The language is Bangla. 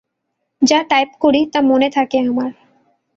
যা টাইপ করি তা মনে থাকে আমার।